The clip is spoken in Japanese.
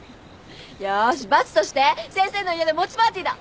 よーし罰として先生の家で餅パーティーだ！